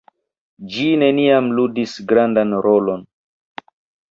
Ĝi neniam ludis grandan rolon.